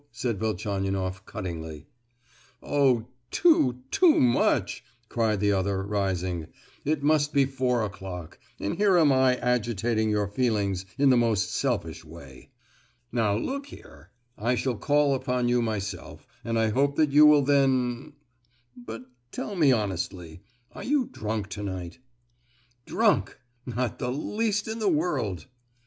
said Velchaninoff, cuttingly. "Oh, too—too much!" cried the other, rising. "It must be four o'clock; and here am I agitating your feelings in the most selfish way." "Now, look here; I shall call upon you myself, and I hope that you will then——but, tell me honestly, are you drunk to night?" "Drunk! not the least in the world!"